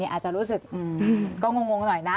อาจจะรู้สึกก็งงหน่อยนะ